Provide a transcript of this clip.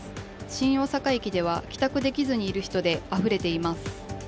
新大阪駅では帰宅できずにいる人であふれています。